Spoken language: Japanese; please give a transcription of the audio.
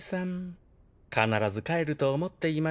必ず帰ると思っていましたよ。